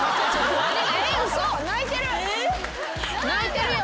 泣いてるよ